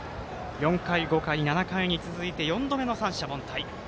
４回、５回、７回に続いて４度目の三者凡退。